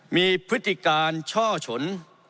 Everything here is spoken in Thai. มีพฤติการช่อฉน